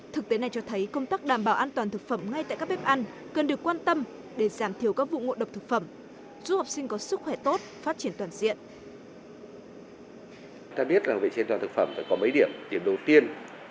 thực tế này cho thấy công tác đảm bảo an toàn thực phẩm ngay tại các bếp ăn cần được quan tâm để giảm thiểu các vụ ngộ độc thực phẩm giúp học sinh có sức khỏe tốt phát triển toàn diện